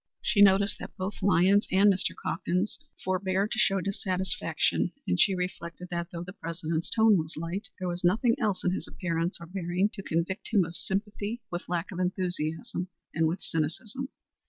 She noticed that both Lyons and Mr. Calkins forebore to show dissatisfaction, and she reflected that, though the President's tone was light, there was nothing else in his appearance or bearing to convict him of sympathy with lack of enthusiasm and with cynicism.